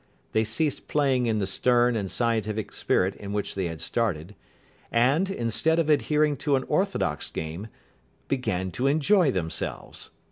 They ceased playing in the stern and scientific spirit in which they had started; and, instead of adhering to an orthodox game, began to enjoy themselves.